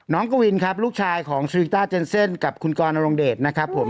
กวินครับลูกชายของสริต้าเจนเซ่นกับคุณกรนรงเดชนะครับผม